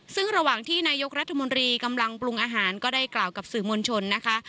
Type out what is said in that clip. ซึ่งระหว่างที่นายกรัฐมนตรีกำลังปรุงอาหารก็ได้กล่าวกับสื่อมวลชนนะคะ